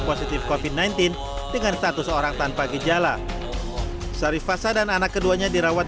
positif kofit sembilan belas dengan status orang tanpa gejala syarif fasa dan anak keduanya dirawat